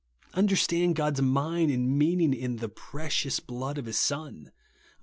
Understand God's mind and mean ing, in *'the precious blood" of his Son.